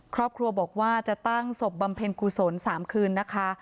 ครอบครัวบอกว่าจะตั้งศพบำเพ็ญกุศล๓คืนนะคะ